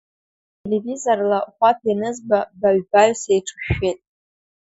Уи ателивизорла Хәаԥ ианызба баҩ-баҩ сеиҿышәшәеит…